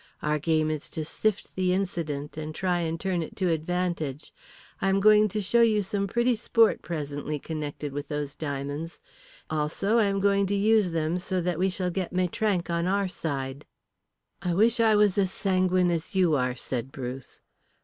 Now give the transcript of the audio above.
Our game is to sift the incident, and try and turn it to advantage. I am going to show you some pretty sport presently connected with those diamonds. Also I am going to use them so that we shall get Maitrank on our side." "I wish I was as sanguine as you are," said Bruce.